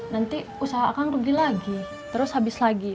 nanti usaha akan rugi lagi terus habis lagi